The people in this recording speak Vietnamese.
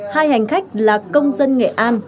hai hành khách là công dân nghệ an